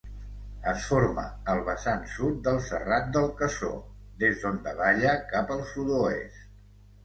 Es forma al vessant sud del Serrat del Casó, des d'on davalla cap al sud-oest.